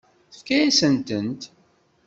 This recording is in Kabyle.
Tefka-yasent-tent.